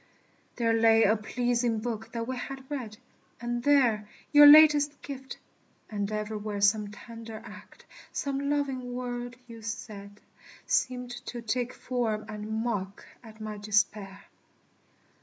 There lay a pleasing book that we had read And there your latest gift; and everywhere Some tender act, some loving word you said, Seemed to take form and mock at my despair.